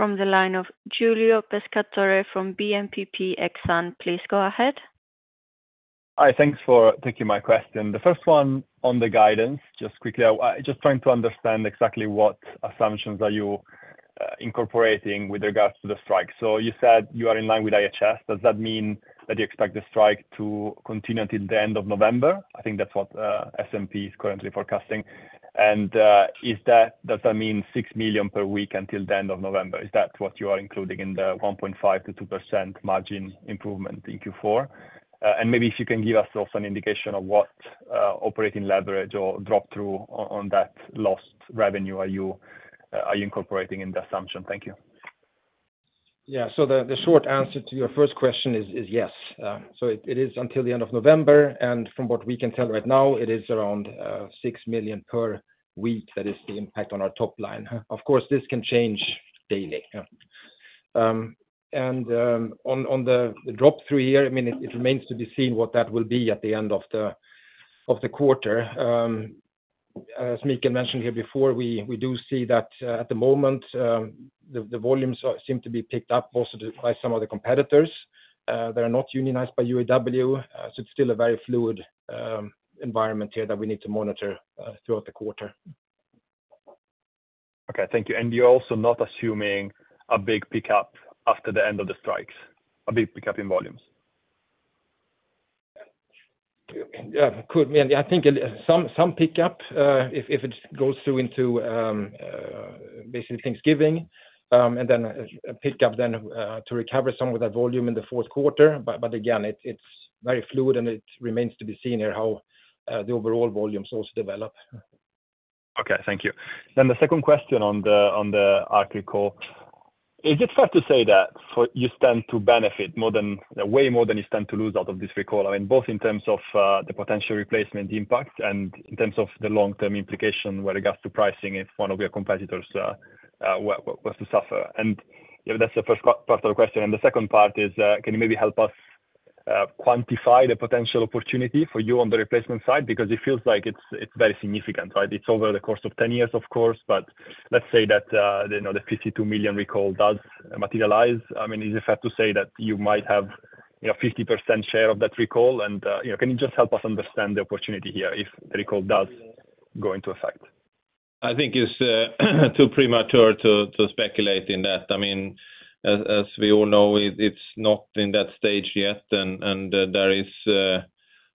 from the line of Giulio Pescatore from BNPP Exane. Please go ahead. Hi, thanks for taking my question. The first one on the guidance, just quickly, just trying to understand exactly what assumptions are you incorporating with regards to the strike. You said you are in line with IHS. Does that mean that you expect the strike to continue until the end of November? I think that's what S&P is currently forecasting. Does that mean $6 million per week until the end of November? Is that what you are including in the 1.5%-2% margin improvement in Q4? Maybe if you can give us also an indication of what operating leverage or drop-through on that lost revenue are you incorporating in the assumption? Thank you. Yeah, the short answer to your first question is yes. It is until the end of November, and from what we can tell right now, it is around $6 million per week. That is the impact on our top line. Of course, this can change daily. On the drop-through here, I mean, it remains to be seen what that will be at the end of the quarter. As Mikael mentioned here before, we do see that at the moment, the volumes seem to be picked up also by some of the competitors. They are not unionized by UAW, so it's still a very fluid environment here that we need to monitor throughout the quarter. Okay, thank you. You're also not assuming a big pickup after the end of the strikes, a big pickup in volumes? Yeah, could be. I think some pickup if it goes through into basically Thanksgiving and then a pickup then to recover some of that volume in the fourth quarter. Again, it's very fluid, and it remains to be seen here how the overall volumes also develop. Okay, thank you. The second question on the ARC recall. Is it fair to say that for you stand to benefit more than, way more than you stand to lose out of this recall? I mean, both in terms of the potential replacement impact and in terms of the long-term implication with regards to pricing if one of your competitors was to suffer. You know, that's the first part of the question, and the second part is, can you maybe help us quantify the potential opportunity for you on the replacement side? Because it feels like it's very significant, right? It's over the course of 10 years, of course, but let's say that, you know, the 52 million recall does materialize. I mean you just have to say that you might have 50% share of that recall and yeah can you just help us understand the opportunity here if the recall is going to effect. I think it's too premature to speculate in that. I mean, as we all know, it's not in that stage yet, and there is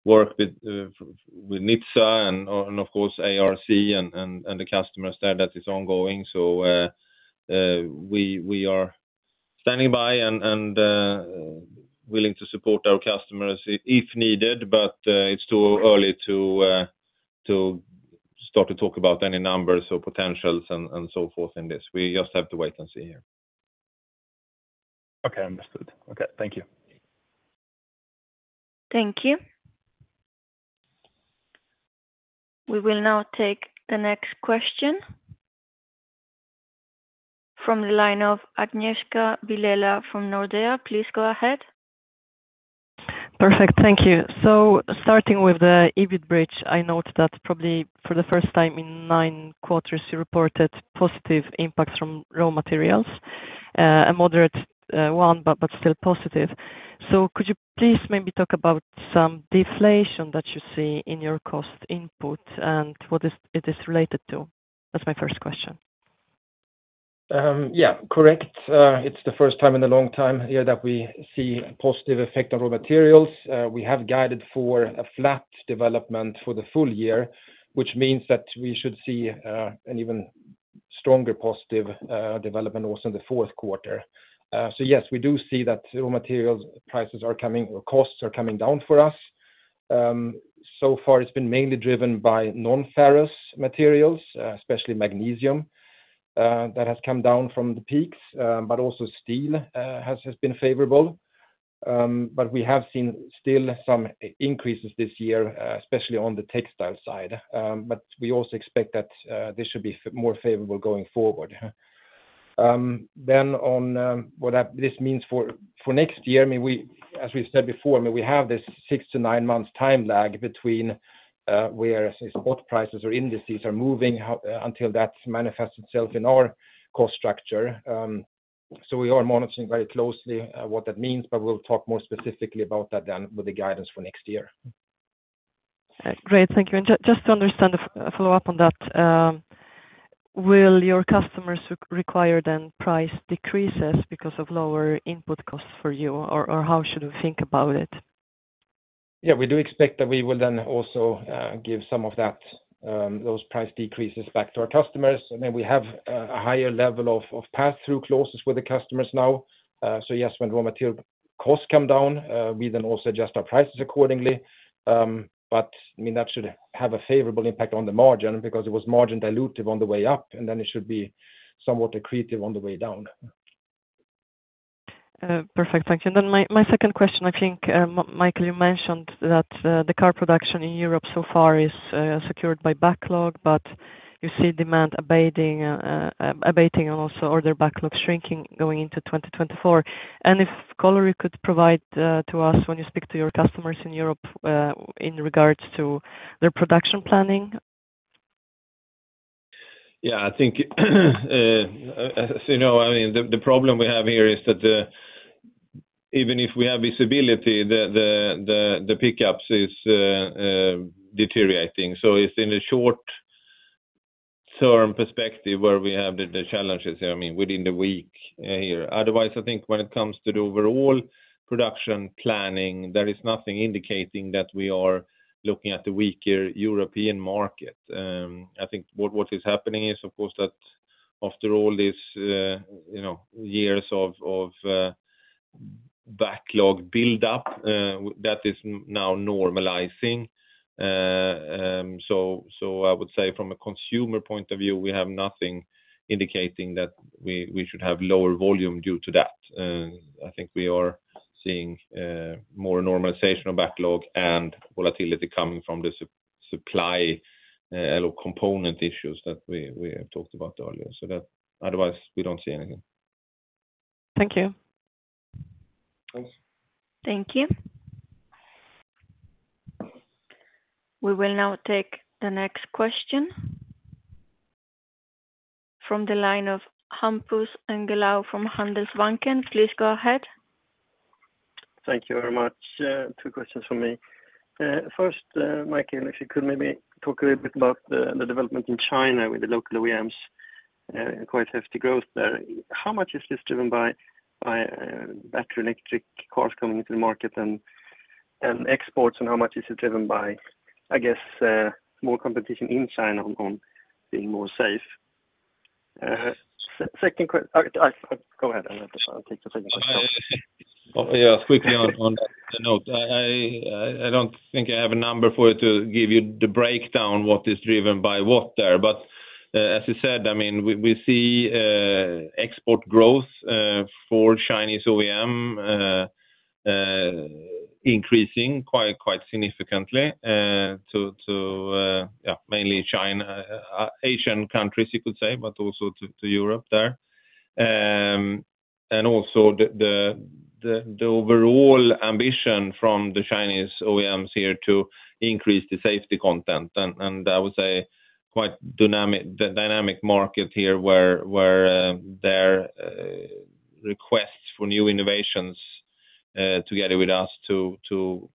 work with NHTSA and of course, ARC and the customers there that is ongoing. We are standing by and willing to support our customers if needed, but it's too early to start to talk about any numbers or potentials and so forth in this. We just have to wait and see here. Okay, understood. Okay, thank you. Thank you. We will now take the next question from the line of Agnieszka Vilela from Nordea. Please go ahead. Perfect. Thank you. Starting with the EBIT bridge, I note that probably for the first time in nine quarters, you reported positive impacts from raw materials, a moderate one, but still positive. Could you please maybe talk about some deflation that you see in your cost input, and what it is related to? That's my first question. Yeah, correct. It's the first time in a long time here that we see a positive effect on raw materials. We have guided for a flat development for the full year, which means that we should see an even stronger positive development also in the fourth quarter. Yes, we do see that raw materials prices are coming, or costs are coming down for us. So far it's been mainly driven by non-ferrous materials, especially magnesium that has come down from the peaks, but also steel has been favorable. We have seen still some increases this year, especially on the textile side. We also expect that this should be more favorable going forward. On what this means for next year, I mean, we, as we said before, I mean, we have this six to nine months time lag between where, say, spot prices or indices are moving until that manifests itself in our cost structure. We are monitoring very closely what that means, but we'll talk more specifically about that then with the guidance for next year. Great. Thank you. Just to understand, a follow-up on that, will your customers require then price decreases because of lower input costs for you, or how should we think about it? Yeah, we do expect that we will then also give some of those price decreases back to our customers. We have a higher level of pass-through clauses with the customers now. Yes, when raw material costs come down, we then also adjust our prices accordingly. I mean, that should have a favorable impact on the margin because it was margin dilutive on the way up, and then it should be somewhat accretive on the way down. Perfect thank you, and then my second question I think Mikael you mentioned that the car production in Europe so far is secured by backlog but you see demand abating also order backlog shrinking going into 2024 and if color you could provide to us when you speak to your customers in Europe in regards to their production planning? Yeah, I think, as you know, I mean, the problem we have here is that, even if we have visibility, the pickups is deteriorating. It's in a short-term perspective where we have the challenges here, I mean, within the week here. Otherwise, I think when it comes to the overall production planning, there is nothing indicating that we are looking at the weaker European market. I think what is happening is, of course, that after all these years of backlog buildup, that is now normalizing. I would say from a consumer point of view, we have nothing indicating that we should have lower volume due to that. I think we are seeing more normalization of backlog and volatility coming from the supply or component issues that we have talked about earlier. Otherwise, we don't see anything. Thank you. Thanks. Thank you. We will now take the next question from the line of Hampus Engellau from Handelsbanken. Please go ahead. Thank you very much. Two questions for me. First, Mikael, if you could maybe talk a little bit about the development in China with the local OEMs, quite hefty growth there. How much is this driven by battery electric cars coming into the market and exports, and how much is it driven by, I guess, more competition in China on being more safe? Go ahead, I'll take the second question. Yeah, quickly on that note, I don't think I have a number for you to give you the breakdown, what is driven by what there. As you said, I mean, we see export growth for Chinese OEMs increasing quite significantly to, yeah, mainly China, Asian countries, you could say, but also to Europe there. Also the overall ambition from the Chinese OEMs here to increase the safety content, and I would say quite dynamic market here, where their requests for new innovations together with us to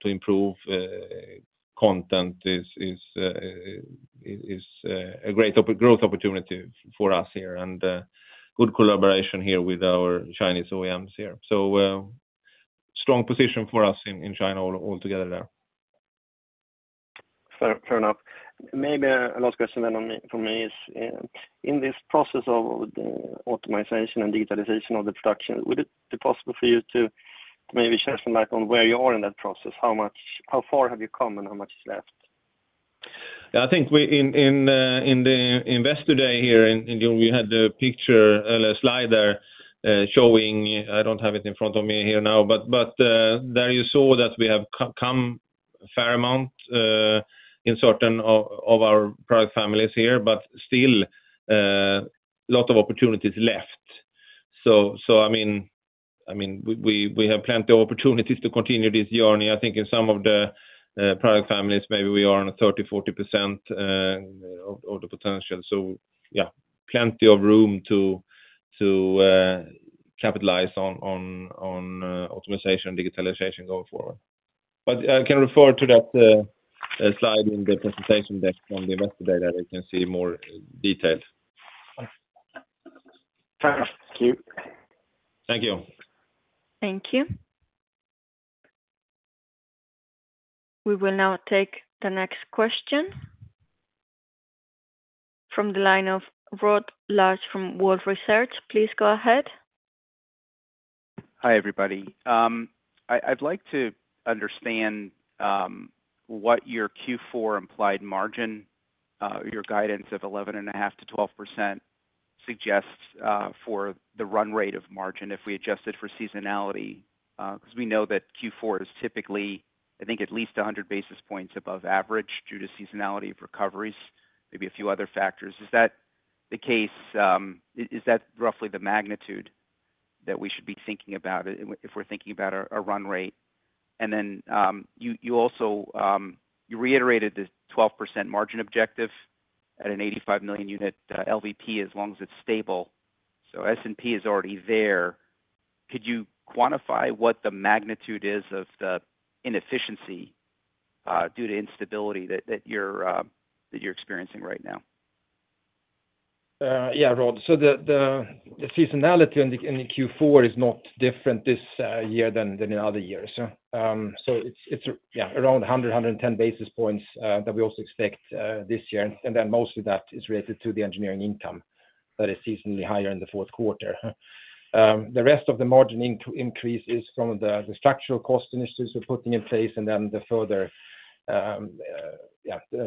improve content is a great growth opportunity for us here, and good collaboration here with our Chinese OEMs here. Strong position for us in China altogether there. Fair, fair enough. Maybe a last question then for me is, in this process of the optimization and digitalization of the production, would it be possible for you to maybe share some light on where you are in that process? How far have you come, and how much is left? Yeah, I think in the Investor Day here in June, we had a picture, a slide there showing. I don't have it in front of me here now, but there you saw that we have come a fair amount in certain of our product families here, but still a lot of opportunities left. I mean, we have plenty of opportunities to continue this journey. I think in some of the product families, maybe we are on a 30%-40% of the potential. Yeah, plenty of room to capitalize on optimization and digitalization going forward. I can refer to that slide in the presentation deck on the Investor Day that you can see more details. Thank you. Thank you. Thank you. We will now take the next question from the line of Rod Lache from Wolfe Research. Please go ahead. Hi, everybody. I'd like to understand what your Q4 implied margin, your guidance of 11.5%-12% suggests for the run rate of margin if we adjust it for seasonality, 'cause we know that Q4 is typically, I think, at least 100 basis points above average due to seasonality of recoveries, maybe a few other factors. Is that the case, is that roughly the magnitude that we should be thinking about if we're thinking about a run rate? You also reiterated the 12% margin objective at an 85 million unit LVP, as long as it's stable, so S&P is already there. Could you quantify what the magnitude is of the inefficiency due to instability that you're experiencing right now? Yeah, Rod. The seasonality in the Q4 is not different this year than in other years. It's around 100 basis points-110 basis points that we also expect this year, and then most of that is related to the engineering income that is seasonally higher in the fourth quarter. The rest of the margin increase is from the structural cost initiatives we're putting in place, and then the further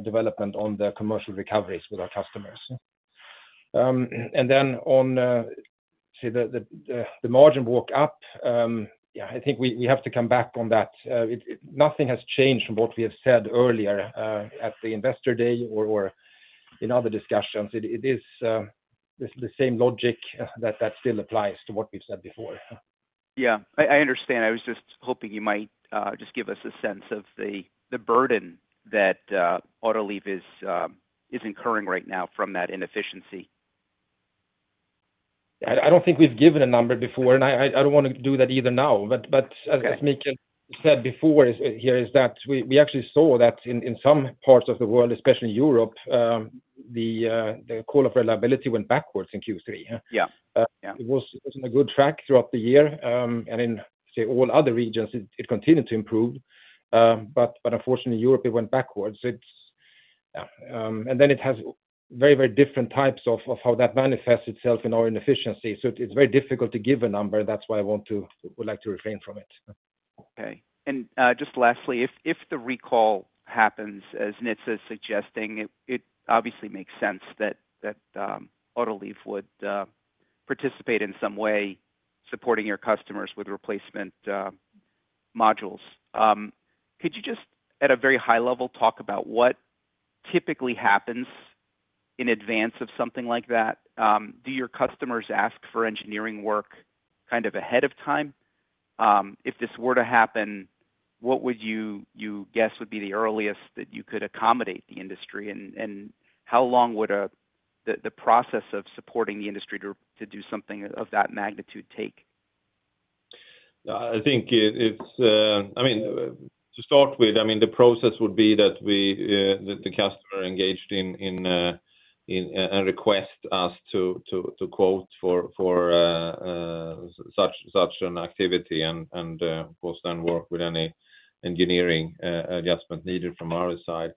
development on the commercial recoveries with our customers. On the margin walk-up, yeah, I think we have to come back on that. Nothing has changed from what we have said earlier at the Investor Day or in other discussions. It is the same logic that still applies to what we've said before. Yeah, I understand. I was just hoping you might just give us a sense of the burden that Autoliv is incurring right now from that inefficiency. I don't think we've given a number before, and I don't want to do that even now. But as Mikael said before, here is that we actually saw that in some parts of the world, especially Europe, the call-off reliability went backwards in Q3, yeah? Yeah. Yeah. It was on a good track throughout the year, and in, say, all other regions, it continued to improve. Unfortunately, Europe, it went backwards. It has very, very different types of how that manifests itself in our inefficiency, so it's very difficult to give a number. That's why I would like to refrain from it. Okay. Just lastly, if the recall happens as NHTSA is suggesting, it obviously makes sense that Autoliv would participate in some way, supporting your customers with replacement modules. Could you just, at a very high level, talk about what typically happens in advance of something like that? Do your customers ask for engineering work kind of ahead of time? If this were to happen, what would you guess would be the earliest that you could accommodate the industry, and how long would the process of supporting the industry to do something of that magnitude take? I think it's, I mean, to start with, I mean, the process would be that the customer engaged in and request us to quote for such an activity and, of course, then work with any engineering adjustment needed from our side.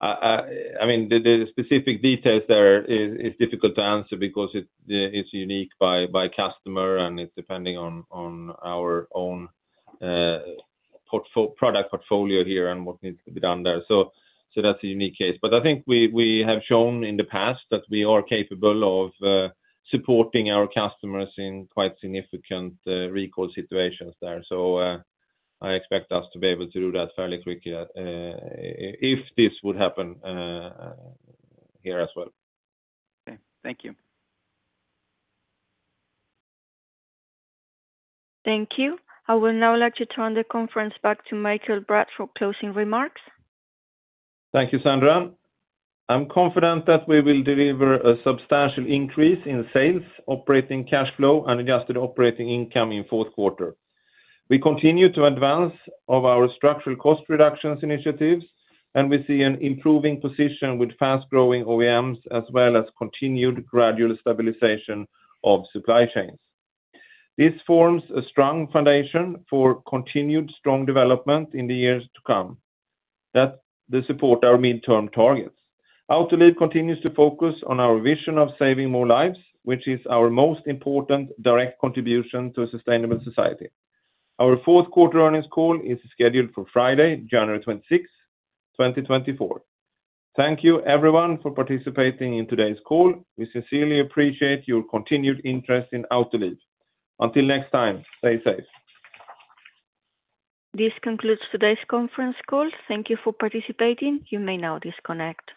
I mean, the specific details there is difficult to answer because it's unique by customer, and it's depending on our own product portfolio here and what needs to be done there. That's a unique case. I think we have shown in the past that we are capable of supporting our customers in quite significant recall situations there. I expect us to be able to do that fairly quickly if this would happen here as well. Okay. Thank you. Thank you. I would now like to turn the conference back to Mikael Bratt for closing remarks. Thank you, Sandra. I'm confident that we will deliver a substantial increase in sales, operating cash flow, and adjusted operating income in fourth quarter. We continue to advance of our structural cost reductions initiatives, and we see an improving position with fast-growing OEMs, as well as continued gradual stabilization of supply chains. This forms a strong foundation for continued strong development in the years to come that will support our midterm targets. Autoliv continues to focus on our vision of saving more lives, which is our most important direct contribution to a sustainable society. Our fourth quarter earnings call is scheduled for Friday, January 26th, 2024. Thank you, everyone, for participating in today's call. We sincerely appreciate your continued interest in Autoliv. Until next time, stay safe. This concludes today's conference call. Thank you for participating. You may now disconnect.